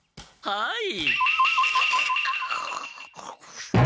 はい。